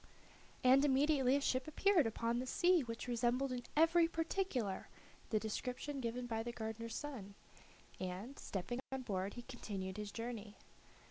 And immediately a ship appeared upon the sea which resembled in every particular the description given by the gardener's son, and, stepping on board, he continued his journey.